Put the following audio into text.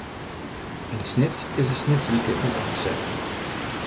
Yn Snits is de Snitswike úteinset.